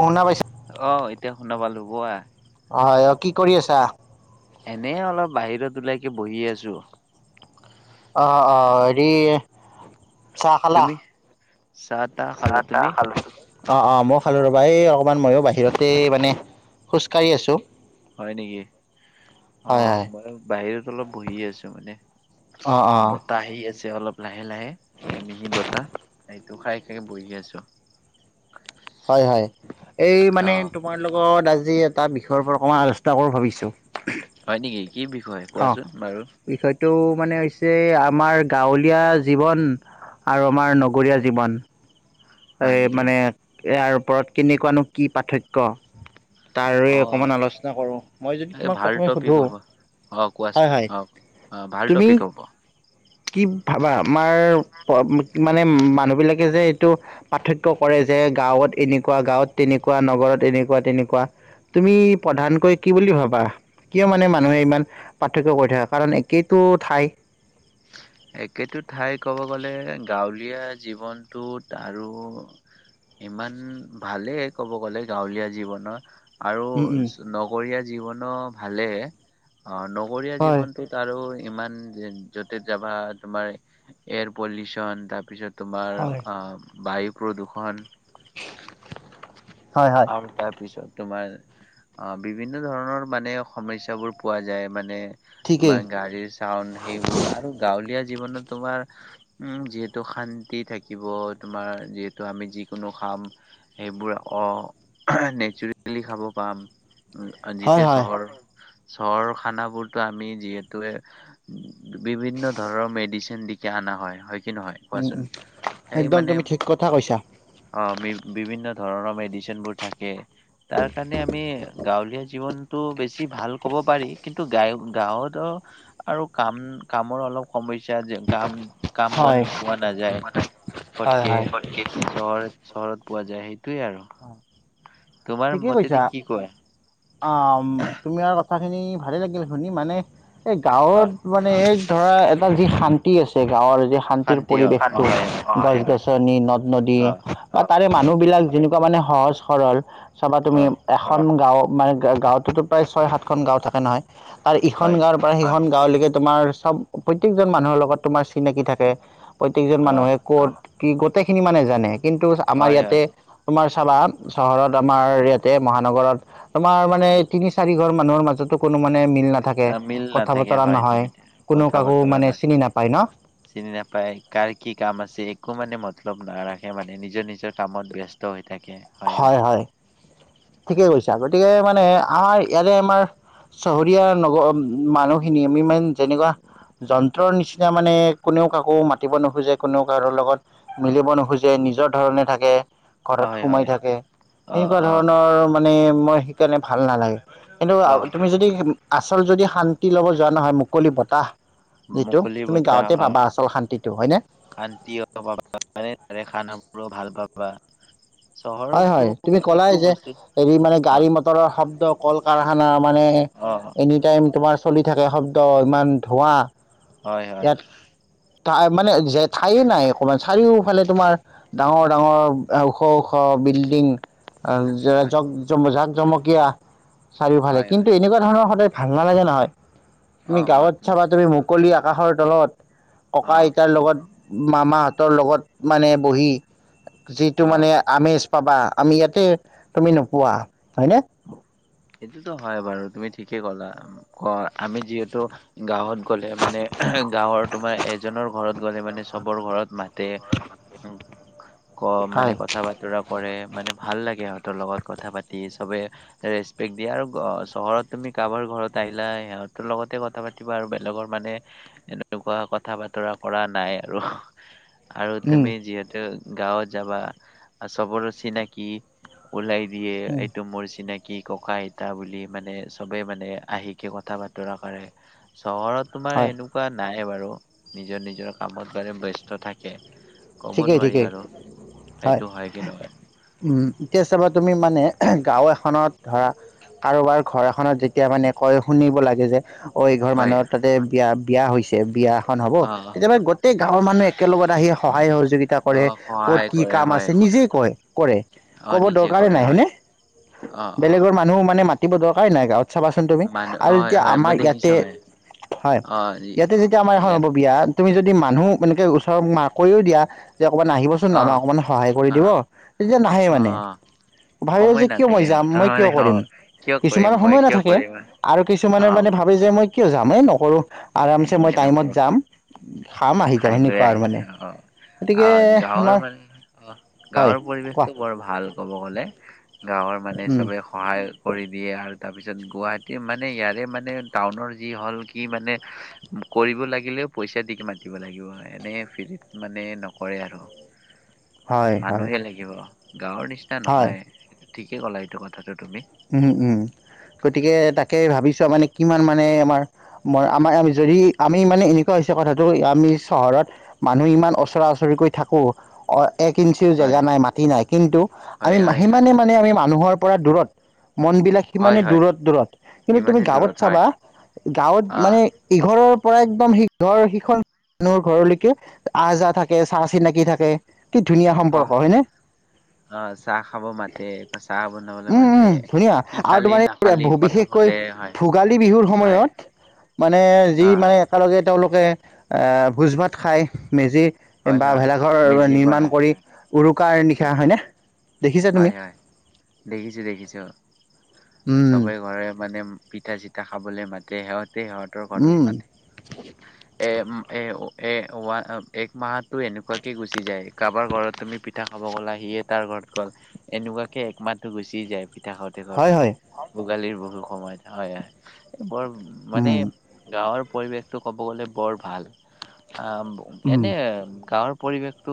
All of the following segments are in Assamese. অ'শুনা পাইছা? অ এতিয়া শুনা পালো কোৱা অ হয় কি কৰি আছা এনে অলপ বাহিৰত ওলাইকে বহি আছো অ অ হেৰি চাহ খালা তুমি চাহ তাহ খালো চাহ তাহ তুমি খালো অ অ মইও খালো ৰবা এই অকমান মইও বাহিৰতে মানে খোজকাঢ়ি আছো হয় নেকি অ হয় মই বাহিৰত অলপ বহি আছোঁ মানে অ অ বতাহ আহি আছে অলপ লাহে লাহে এই মিহি বতাহ এইটো খাই খাই বহি আছো হয় হয় এই অ মানে তোমাৰ লগত আজি এটা বিষয়ৰ ওপৰত অকণমান আলোচনা কৰোঁ ভাবিছোঁ হয় নেকি কি বিষয় অ কোৱাচোন বাৰু বিষয়টো মানে হৈছে আমাৰ গাঁৱলীয়া জীৱন আৰু আমাৰ নগৰীয়া জীৱন হয় এই নেকি মানে ইয়াৰ ওপৰত কেনেকুৱানো কি পাৰ্থক্য তাৰে অ অকমান আলোচনা কৰো মই যদি এই তোমাক ভাল প্ৰথমে টপিক সুধো হ'ব অ কোৱাচোন অ অ ভাল তুমি টপিক হ'ব কি ভাবা আমাৰ মানে মানুহ বিলাকে যে এইটো পাৰ্থক্য কৰে যে গাঁৱত এনেকুৱা গাঁৱত তেনেকুৱা নগৰত এনেকুৱা তেনেকুৱা। তুমি প্ৰধানকৈ কি বুলি ভাবা কিয় মানে মানুহে ইমান পাৰ্থক্য কৰি থাকে কাৰণ একেইটো ঠাই। একেইটো ঠাই কব গ'লে গাঁৱলীয়া জীৱনটোত আৰু। ইমান ভালেই ক'ব গ'লে গাঁৱলীয়া জীৱনৰ। আৰু উম উম নগৰীয়া জীৱনৰ ভালে অ নগৰীয়া হয় জীৱনটোত আৰু ইমান য'তে যাবা তোমাৰ এয়াৰ পলিউচন তাৰপিছত তোমাৰ হয় আ বায়ু প্ৰদূষণ। হয় হয় আৰু তাৰপিছত তোমাৰ অ বিভিন্ন ধৰণৰ মানে সমস্যাবোৰ পোৱা যায় মানে ঠিকেই ইমান গাড়ীৰ টাউন সেইবোৰ আৰু গাঁৱলীয়া জীৱনত তোমাৰ উম যিহেতু শান্তি থাকিব তোমাৰ যিহেতু আমি যিকোনো কাম। সেইবোৰ অ এহ নেচাৰেলি খাব পাম হয় যেতিয়া হয় চহৰ চহৰৰ খানাবোৰতো আমি যিহেতু বিভিন্ন ধৰণৰ মেডি চিন অনা হয় হয় কি নহয় উম উম কোৱাচোন সেই একদম মানে। তুমি ঠিক কথা কৈছা অ বি বিভিন্ন ধৰণৰ মেডিচিন মেডিচিনবোৰ থাকে তাৰ কাৰণে আমি গাঁৱলীয়া জীৱনটো বেছি ভাল ক'ব পাৰি। কিন্তু গা গাওঁতো আৰু কাম কামৰ অলপ সমস্যা যে কাম কাম হয় বন পোৱা নাযায়। হয় ফটকে হয় চহৰত চহৰত পোৱা যায় সেইটোৱে আৰু। তোমাৰ ঠিকেই মতেদি কৈছা কি কয় তোমাৰ কথাখিনি ভালেই লাগিল শুনি মানে। এ অ গাঁৱত মানে এই ধৰা এটা যি শান্তি আছে গাঁৱৰ যে শান্তিৰ শান্তি অ অ পৰিৱেশটো হয় হয় গছ গছনি নদ নদী অ বা তাৰে হয় মানুহ বিলাক যেনেকুৱা মানে সহজ সৰল চাবা তুমি। অ এখন গাঁও মানে গাঁওতোতো প্ৰায় ছয় সাত খন গাঁও থাকে নহয় তাৰ ইখন হয় গাঁৱৰ প্ৰায় সেইখন গাওলৈকে তোমাৰ চব প্ৰত্যেকজন মানুহৰ লগত তোমাৰ চিনাকি থাকে। প্ৰত্যেকজন অ মানুহে ক'ত কি গোটেই খিনি মানে জানে কিন্তু আমাৰ হয় ইয়াতে হয় তোমাৰ চাবা চহৰত আমাৰ ইয়াতে মহানগৰত তোমাৰ মানে উম তিনি চাৰি ঘৰ মানুহৰ মাজতো কোনো মানে মিল না নাথাকে আ, মিল কথা নাথাকে বতৰা হয় তুমি নহয় কোনো কথা কাকো বতৰা মানে নাই চিনি নাপায় ন? চিনি নাপাই কাৰ কি কাম আছে একো মানে মতলব নাৰাখে মানে, নিজৰ নিজৰ কামত ব্যস্ত স্ত হৈ থাকে। হয় হয় ঠিকেই উম কৈছা, গতিকে মানে আমাৰ ইয়াতে আমাৰ চহৰীয়া নগ মানুহখিনিয় আমিমান যেনেকুৱা যন্ত্ৰৰ নিচিনা মানে কোনেও কাকো মাতিব নোখোজে, কোনেও কাৰো লগত মিলিব নোখোজে নিজৰ ধৰণে থাকে। ঘৰত হয় হয় সোমাই থাকে অ এনেকুৱা অ ধৰণৰ মানে মই সেইকাৰণে ভাল নালাগে। কিন্তু অ তুমি যদি আচল যদি শান্তি ল'ব যোৱা নহয় মুকলি বতাহ যিটো মুকলি তুমি বতাহ গাঁৱতে অ পাবা আচল শান্তিটো! হয়নে? শান্তি পাবা তাৰে খানাবোৰো ভাল পাবা। হয় চহৰতো হয় তুমি ক'লাই একো যে বস্তু হেৰি মানে অ গাড়ী মটৰৰ শব্দ, কল কাৰখানা মানে অ এনি টাইম তোমাৰ চলি থাকে শব্দ ইমান ধোঁৱা! হয় হয় ইয়াত ঠা মানে যে ঠায়ে নাই অকমান চাৰিওফালে তোমাৰ ডাঙৰ ডাঙৰ ওখ ওখ বিল্ডিং। জ হয় জাক জমকীয়া চাৰিওফালে, হয় হয় কিন্তু এনেকুৱা ধৰণৰ সদায় ভাল নালাগে নহয়, অ তুমি অ গাঁৱত চাবা তুমি মু কলি আকাশৰ তলত, ককা অ আইতাৰ লগত মামাহঁতৰ লগত মানে বহি যিটো অ মানে আমেজ পাবা আমি ইয়াতে তুমি নোপোৱা, হয়নে! এইটোতো হয় বাৰু, তুমি ঠিকেই ক'লা অ আমি যিহেতু গাঁৱত গ'লে মানে গাঁৱৰ তোমাৰ এজনৰ ঘৰত গ'লে মানে চবৰ ঘৰত মাতে। [inaudible] ক মানে হয়। ক কথা বতৰা কৰে, মানে ভাল লাগে সিহঁতৰ লগত কথা পাতি চবে ৰেচ পেক দিয়ে, আৰু চহৰত তুমি কাৰোবাৰ ঘৰত আহিলা সিহঁতৰ লগতে কথা পাতিবা আৰু বেলেগৰ মানে এনেকুৱা কথা বতৰা কৰা নাই আৰু। আৰু উম, তুমি যিহেতু গাঁৱত যাবা চবৰে চিনাকি ওলাই দিয়ে উম, এইটো মোৰ চিনাক ককাঁ আইতা বুলি মানে চবেই মানে আহিকে কথা বতৰা কৰে, চহৰত তোমাৰ হয় এনেকুৱা নাই বাৰু, নিজৰ নিজৰ কামত মানে ব্যস্ত থাকে। ক'ব ঠিকেই নোৱাৰি ঠিকেই আৰু সেইটো হয় কি নহয়। উম এতিয়া চাবা তুমি মানে গাঁও এখনত ধৰা কাৰোবাৰ ঘৰ এখনত যেতিয়া মানে কয় শুনিব লাগে যে অ এইঘৰ হয় মানুহৰ তাতে বিয়া বিয়া হৈছে বিয়া খন হ'ব অ তেতিয়া মানে গোটেই গাঁৱৰ মানুহ একেলগত আহি‌ সহায় সহযোগিতা অ কৰে, সহায় ক'ত কি কৰে কাম হয় আছে নিজেই কয় কৰে, ক'ব দৰকাৰে নাই হয়নে? অঁ অঁ। মানুহক মানে মাতিব দৰকাৰে নাই গাঁৱত চাবাচোন তুমি, মানুহ আৰু হয় এতিয়া হয় মই আমাৰ ইয়াতে দেখিছো হয় হয় অ ইয়াতে যেতিয়া আমাৰ এখন ইয়াত হ'ব বিয়া তুমি যদি মানুহ এনেকে ওচৰত কৈও দিয়া যে অকমান আহিবচোন অ আমাক অকমান সহায় কৰি অ দিব, তেতিয়া নাহে অ মানে। অ ভাবিব সময় যে কিয় মই নাথাকে যাম সিহঁতৰ মই কিয় মানে অ কৰিম, কিয় কৰিম কিছুমানৰ মই সময় কিয় নাথাকে। কৰিম আৰু কিছুমানে অ মানে ভাবি যে মই কিয় যাম, এই নকৰো। এ' [unintelligible] খাম আহি যাম খাই লৈ সেনেকুৱা আৰু মানে আহিলে, অ অ, গতিকে গাঁৱৰ আমাৰ মানে অ, গাঁৱৰ পৰিৱেশটো কোৱা। ভাল ক'ব গ'লে। গাঁৱৰ মানে উম, চবেই সহায় কৰি দিয়ে আৰু তাৰপিছত গুৱাহাটী মানে, ইয়াৰে মানে, টাউনৰ যি হ'ল কি মানে কৰিব লাগিলেও পইচা দি মাতিব লাগিব। এনে ফ্ৰিত মানে নকৰে আৰু। [inaudible] হয় মানুহেই লাগিব। গাঁৱৰ নিচিনা হয় নহয়, ঠিকেই ক'লা এইটো কথাটো তুমি। উম- উম, গতিকে তাকে ভাবিচাবা মানে কিমান মানে আমাৰ মই আমাৰ যদি আমি মানে এনেকুৱা হৈছে কথাটো আমি চহৰত মানুহ ইমান ওচৰা- ওচৰিকৈ থাকোঁ। অ, এক ইঞ্চিও জেগা হয় নাই, মাটি নাই, কিন্তু আমি হয় হয় হয় সিমানেই মানে আমি মানুহৰ পৰা দূৰত। মন বিলাক হয় সিমানে হয় দূৰত- দূৰত কিন্তু তুমি ইমানেই দূৰত গাঁৱত হয় চাবা, গাঁৱত আহ মানে ইঘৰৰ পৰা একদম সিঘৰ- সিখন মানুহৰ ঘৰলৈকে আহ- যাহ থাকে চাহ- চিনাকি থাকে কি ধুনীয়া অহ সম্পৰ্ক হয় নে? অ চাহ খাব মা তে চাহ বনাবলে উম উম মাতে, ধুনীয়া কি আৰু খালি তোমাৰ এই নাখালি, ভ কথা বিশেষকৈ সোধে হয়। ভোগালী বিহুৰ হয় সময়ত, মানে যি অ মানে একেলগে তেওঁলোকে ভোজ- ভাত খাই, মেজি হয় বা হয় ভেলাঘৰ মেজি নিৰ্মাণ বনাই কৰি হয় উৰুকাৰ হয় নিশা হয়নে। দেখিছা তুমি হয়- হয়, দেখিছোঁ- দেখিছোঁ। উম চবে ঘৰে মানে পিঠা চি ঠা খাবলে মাতে, সিহঁতে- সিহঁতৰ উম ঘৰত মাতে। এ উম এ উ এ উৱা অ এক মাহটো এনেকুৱাকে গুচি যায়। কাৰোবাৰ ঘৰত তুমি পিঠা খাব গ'লা সিয়ে তাৰ ঘৰত গ'ল। এনেকুৱাকে একমাহটো গুচি যায় পিঠা খাওঁতে, হয় খাওঁতে। হয় ভোগালীৰ বহু সময়ত হয়, বৰ মানে উম গাঁৱৰ পৰিৱেশটো ক'ব গ'লে বৰ ভাল আ উম এনে গাঁৱৰ পৰিৱেশটো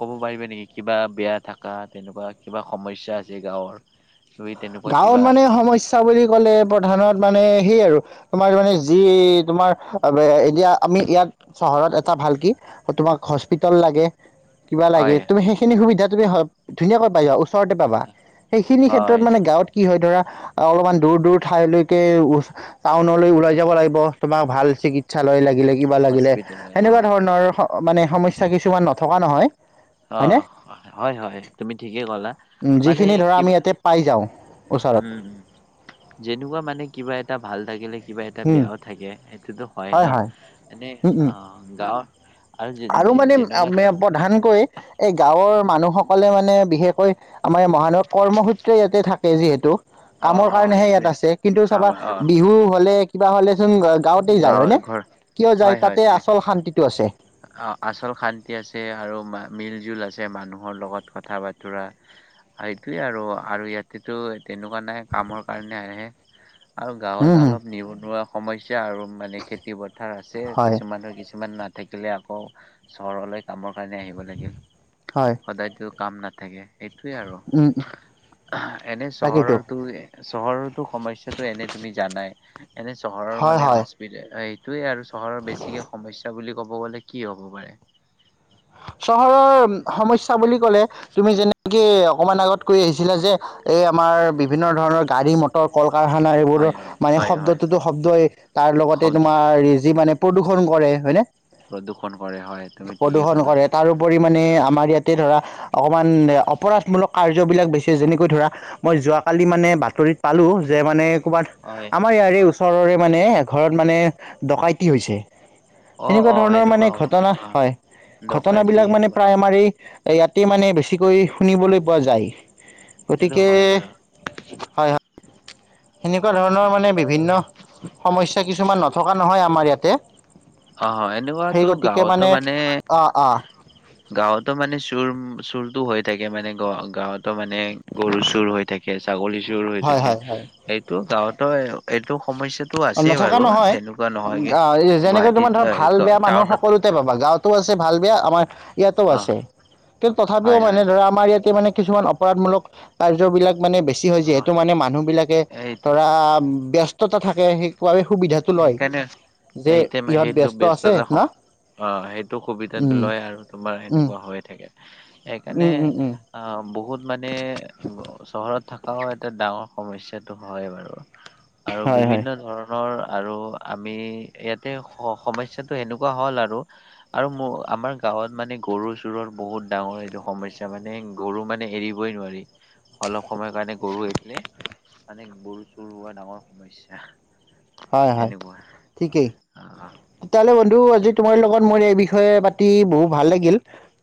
ক'ব পাৰিবি নেকি কিবা বেয়া থাকা তেনেকুৱা কিবা সমস্যা আছে গাঁৱৰ তুমি তেনেকুৱা গাঁৱত কিবা মানে সমস্যা বুলি ক'লে প্ৰধানত মানে সেই আৰু তোমাৰ মানে যি তোমাৰ এতিয়া আমি ইয়াত চহৰত এটা ভাল কি তোমাক হস্পিতেল লাগে। কিবা লাগে হয় তুমি সেইখিনি সুবিধা তুমি ধুনীয়াকৈ পাই যোৱা। ওচৰতে পাবা সেইখিনি ক্ষেত্ৰত হয় মানে তাত কি হয় ধৰা অলপমান দূৰ, দূৰ ঠাইলৈকে টাউনলৈ ওলাই যাব লাগিব। তোমাক ভাল চিকিত শৌচালয় লাগিলে কিবা লাগিলে হস্পিতেল অ সেনেকুৱা ধৰণৰ মানে সমস্যা কিছুমান নথকা নহয়। হয়নে? অ' হয়, হয়। তুমি ঠিকেই ক'লা। উম মানে যিখিনি ধৰা কি আমি ইয়াতে পাই যাওঁ ওচৰত উম, উম। যেনেকুৱা মানে, কিবা এটা ভাল থাকিলে, কিবা এটা উম বেয়াও থাকে। সেইটোতো হয় ন, এনেই উম উম। অঁ গাঁৱৰ আৰু মানে যেনেকুৱা ধৰ মে প্ৰধানকৈ এই গাঁৱৰ মানুহসকলে মানে বিশেষকৈ আমাৰ এই মহানগৰ কৰ্মসূত্ৰে ইয়াতে থাকে যিহেতু অ কামৰ অ কাৰণেহে এইটোৱে ইয়াত আছে। কিন্তু কাম চাবা অ বিহু হ'লে কিবা হ'লেচোন গাঁৱতেই যায়, গাঁৱ হয়নে ঘৰ কিয় হয় যায় হয় তাতে তুমি আচল শান্তিটো আছে। অ' আচল শান্তি আছে আৰু মা মিলজুল আছে মানুহৰ লগত কথা বাতোৰা সেইটোৱে আৰু। আৰু ইয়াতেটো তেনেকুৱা নাই, কামৰ কাৰণে আহে। আৰু হম গাঁৱত হম অলপ নিবনুৱা সমস্যা আৰু মানে খেতি পথাৰ আছে হয় কিছুমানৰ, কিছুমান নাট থাকিলে আকৌ, চহৰলৈ কামৰ কাৰণে, আহিব লাগিল। হয়। সদায়তো কাম নাথাকে সেইটোৱে আৰু উম উম এনে তাকেইতো চহৰৰটো চহৰৰটো সমস্যাটো এনে তুমি জানাই। এনে চহৰৰ হয় মানে হয় হছ সেইটোৱে আৰু চহৰৰ বেছিকে সমস্যা বুলি ক'ব গ'লে কি হ'ব পাৰে। চহৰৰ উম সমস্যা বুলি ক'লে তুমি যেনেকে অকমান আগত কৈ আহিছিলা যে এই আমাৰ বিভিন্ন ধৰণৰ গাড়ী মট কল কাৰখানা হয় হয় এইবোৰৰ মানে হয় হয় শব্দটোতো শব্দই তাৰ লগতে শব্দ তোমাৰ যি মানে প্ৰদূষণ কৰে, হয়নে? প্ৰদূষণ কৰে হয় তুমি ঠিকেই প্ৰদূষণ ক'লা। কৰে তাৰোপৰি মানে আমাৰ ইয়াতে ধৰা অকণমান অপৰাধমূলক কাৰ্যবিলাক বেছি যেনেকৈ ধৰা মই যোৱাকালি মানে বাতৰিত পালোঁ, যে মানে ক'ৰবাত হয় আমাৰ ইয়াৰে ওচৰৰে মানে এঘৰত মানে ডকাইতি হৈছে। অ এনেকুৱা অ ধৰণৰ এনেকুৱা মানে হয় ঘটনা অ হয়। ডকাইতি ঘটনাবিলাক মানে এনেকুৱা প্ৰায় আমাৰ এই ইয়াতে মানে বেছিকৈ শুনিবলৈ পোৱা যায়। হেইটোটো গতিকে হয় বাৰু। হয় হয় সেনেকুৱা ধৰণৰ মানে বিভিন্ন সমস্যা কিছুমান নথকা নহয় আমাৰ ইয়াতে। অ' হয় সেই এনেকুৱাতো গতিকে গাঁৱতো মানে অ অ গাঁৱতো মানে চোৰ, উ চোৰটো হৈ থাকে। মানে গ-গাঁৱতো মানে গৰু চোৰ হৈ থাক সেই ছাগলী চুৰ হৈ হয় থাকে হয় হয় এইটো গাঁৱতো এইটো সমস্যাত তো আছেই নথকা বাৰু নহয় তেনেকুৱা নহয়গে যেনেকৈ তোমাৰ ধৰা গুৱাহাটীত ভাল বেয়া এ মানুহ টাউনত সকলোতে পাবা গাঁৱতো আছে ভাল বেয়া, আমাৰ ইয়াতো অ আছে। কিন্তু তথাপিও হয় মানে হয় ধৰা, আমাৰ ইয়াতে মানে কিছুমান অপৰাধমূলক কাৰ্যবলাক মানে বেছি ছি অ হৈছে। মানে মানুহবিলাকে এইটো ধৰা ব্যস্ততা থাকে সেই সুবিধা সেইকাৰণে এতে ম সেইটো ব- ব্যস্ত আছে ব্যস্ততা ন কম। অ, সেইটো সুবিধাটো উম লয় আৰু তোমাৰ উম সেনেকুৱা হৈ থাকে। সেইকাৰণে উম উম অ, উম বহুত মানে চহৰত থকাও এটা ডাঙৰ সমস্যাটো হয় বাৰু। [inaudible] আৰু হয় বিভিন্ন ধৰণৰ আৰু আমি ইয়াতে সমস্যাটো এনেকুৱা হ'ল আৰু। আৰু মোৰ আমাৰ গাঁৱত মানে গৰু চোৰৰ বহুত ডাঙৰ এইটো সমস্যা মানে। গৰু মানে এৰিবই নোৱাৰি, অলপ সময়ৰ কাৰণে গৰু এৰিলে মানে গৰু চৰু হোৱা ডাঙৰ সমস্যা। হয় হয় এনেকুৱা, ঠিকেই অ- অ। তেতিয়াহ'লে বন্ধু আজি তোমাৰ লগত মোৰ এই বিষয়ে পাতি বহুত ভাল লাগিল।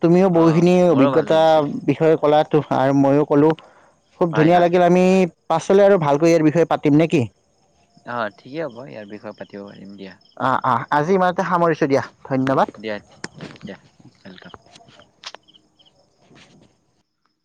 তুমিও অ বহুখিনি মোৰো ভাল অভিজ্ঞতাৰ লাগিছিলে বিষয়ে কলা আৰু মইও কলো। খুব হয় ধুনীয়া হয় লাগিল। আমি পাছলৈ আৰু ভালকৈ এই বিষয়ে পাতিম নে কি অ, ঠিকেই হ'ব, ইয়াৰ বিষয়ে পাতিব পাৰিম দিয়া। অ- অ, আজি ইমানতে সামৰিছোঁ দিয়া, ধন্যবাদ। দিয়- দিয়া, ৱেলকাম।